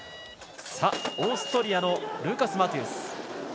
オーストリアのルーカス・マティース。